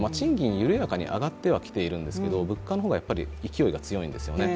緩やかに上がっては来ているんですが、物価の方が勢いが強いんですよね。